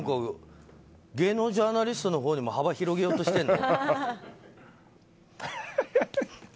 芸能ジャーナリストのほうにも幅広げようとしてるの？